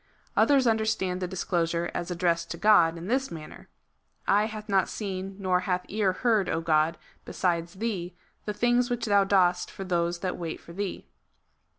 Others understand the discourse as addressed to God, in this man ner :" Eye hath not seen, nor hath ear heard, God, besides thee, the things which thou dost for those that wait for thee."